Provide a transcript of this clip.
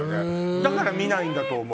だから見ないんだと思う。